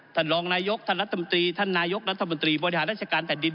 ท่านรองนายกท่านรัฐมนตรีท่านนายกรัฐมนตรีบริหารราชการแผ่นดิน